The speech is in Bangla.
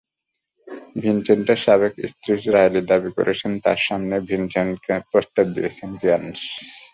ভিনসেন্টের সাবেক স্ত্রী রাইলি দাবি করেছেন, তাঁর সামনেই ভিনসেন্টকে প্রস্তাব দিয়েছিলেন কেয়ার্নস।